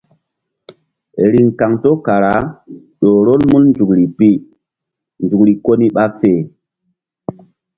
Riŋ kaŋto kara ƴo rol mun nzukri pi nzukri ko ni ɓa fe.